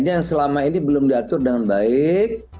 jadi yang selama ini belum diatur dengan baik